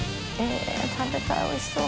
えっ食べたいおいしそう。